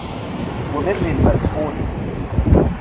وَبِرٍّ مَذْخُورٍ